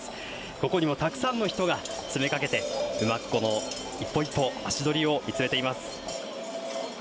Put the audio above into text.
ここにもたくさんの人が詰めかけてこの一歩一歩足どりを見つめています。